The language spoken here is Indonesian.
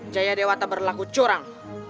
jayadewata berlaku curang